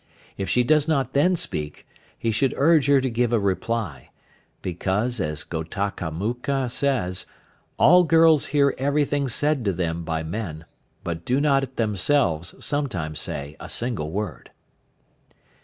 If she does not then speak he should urge her to give a reply, because as Ghotakamukha says, "all girls hear everything said to them by men, but do not themselves sometimes say a single word."